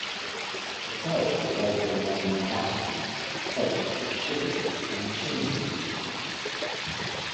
The parish was later renamed Aston, Cote, Shifford and Chimney.